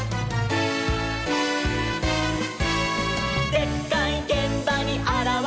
「でっかいげんばにあらわる！」